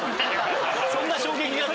そんな衝撃だった？